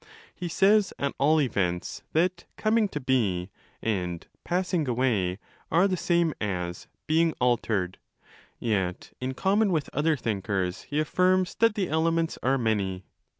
He says, at all events, that coming to be and passing away are the same as 'being altered':' yet, in common with other thinkers, he affirms that the elements are many.